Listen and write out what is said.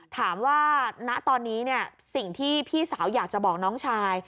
ถามว่าณตอนนี้เนี่ยสิ่งที่พี่สาวอยากจะบอกน้องชาย